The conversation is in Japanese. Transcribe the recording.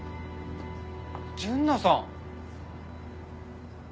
純奈さん！